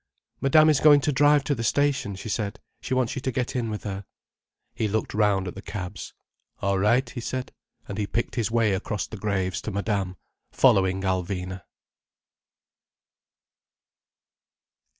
"Madame is going to drive to the station," she said. "She wants you to get in with her." He looked round at the cabs. "All right," he said, and he picked his way across the graves to Madame, following Alvina.